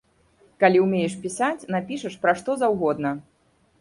Калі ўмееш пісаць, напішаш пра што заўгодна.